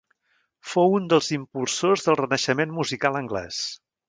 Fou un dels impulsors del Renaixement musical anglès.